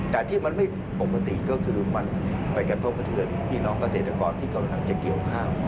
แต่ที่มันไม่ปกติก็คือมันไปกระทบกระเทือนพี่น้องเกษตรกรที่กำลังจะเกี่ยวข้าว